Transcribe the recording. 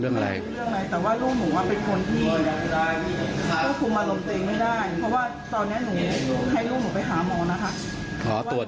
เรื่องอะไรแต่ว่าลูกหนูเป็นคนที่